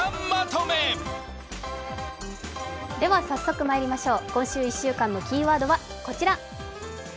早速まいりましょう今週１週間のキーワードは、こちら。